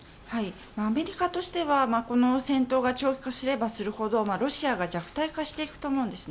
アメリカとしてはこの戦闘が長期化すればするほどロシアが弱体化していくと思うんです。